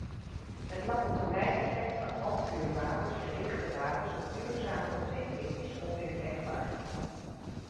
Het langetermijneffect van handvuurwapens en lichte wapens op duurzame ontwikkeling is onweerlegbaar.